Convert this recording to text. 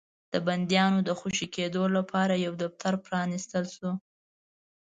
د بنديانو د خوشي کېدلو لپاره يو دفتر پرانيستل شو.